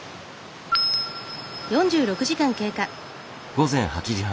午前８時半。